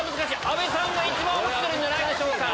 阿部さんが一番落ちてるんじゃないでしょうか。